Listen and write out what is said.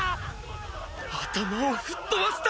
頭を吹っ飛ばした！！